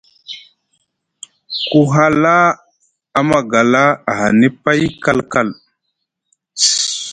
Ku hala a magala ahani pay kalkal.